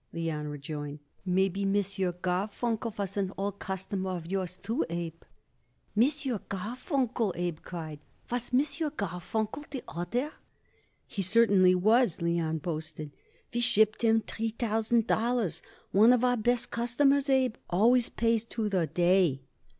Leon rejoined. "Maybe M. Garfunkel was an old customer of yours, too, Abe." "M. Garfunkel?" Abe cried. "Was M. Garfunkel the other?" "He certainly was," Leon boasted. "We shipped him three thousand dollars. One of our best customers, Abe. Always pays to the day."